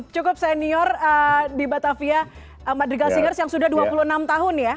cukup senior di batavia madrigal singers yang sudah dua puluh enam tahun ya